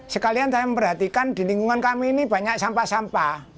sekalian saya memperhatikan di lingkungan kami ini banyak sampah sampah